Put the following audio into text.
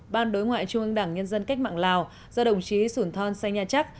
ban đối ngoại trung ương đảng nhân dân cách mạng lào do đồng chí sủn thon say nha trắc